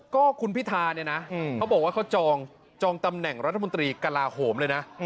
ก็คุณพิธาเนี่ยนะเขาบอกว่าเขาจองตำแหน่งรัฐมนตรีกลาโหมเลยนะ